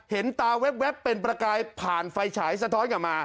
เห็นตาแว๊บเป็นประกายผ่านไฟฉายสะท้อนกลับมา